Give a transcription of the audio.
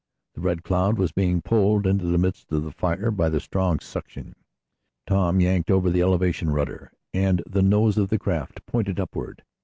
The Red Cloud was being pulled into the midst of the fire by the strong suction. Tom yanked over the elevation rudder, and the nose of the craft pointed upward.